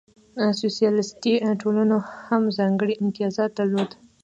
سوسیالیستي ټولنو هم ځانګړې امتیازات درلودل.